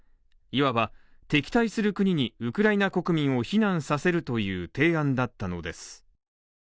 いわば敵対する国にウクライナ国民を避難させるという提案だったのです。